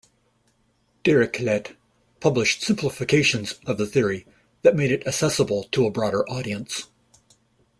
Dirichlet published simplifications of the theory that made it accessible to a broader audience.